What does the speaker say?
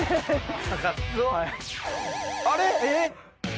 あれ？えっ？